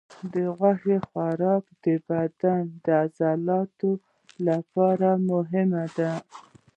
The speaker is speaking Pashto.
د غوښې خوراک د بدن د عضلاتو لپاره مهم دی.